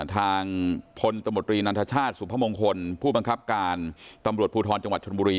ทางพลตมตรีนันทชาติสุพมงคลผู้บังคับการตำรวจภูทรจังหวัดชนบุรี